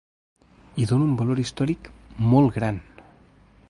Hi dono un valor històric molt gran.